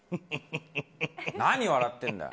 何笑ってんだよ。